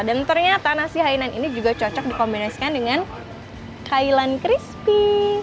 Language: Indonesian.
dan ternyata nasi hainan ini juga cocok dikombinasikan dengan thailand crispy